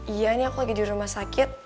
iya ini aku lagi di rumah sakit